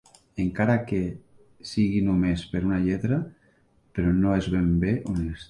Encara que sigui només per una lletra, però no és ben bé honest.